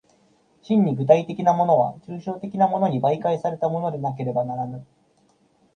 真に具体的なものは抽象的なものに媒介されたものでなければならぬ。